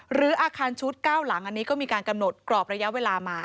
หรืออาคารชุด๙หลังมีการกำหนดกรอบระยะเวลา